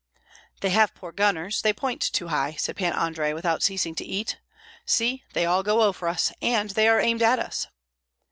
"They have poor gunners, they point too high," said Pan Andrei, without ceasing to eat; "see, they all go over us, and they are aimed at us."